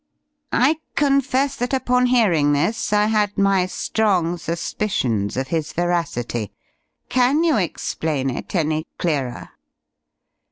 I confess that upon hearing this, I had my strong suspicions of his veracity. Can you explain it any clearer?"